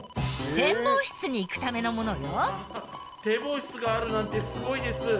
展望室があるなんてすごいです。